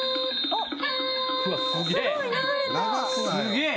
すげえ。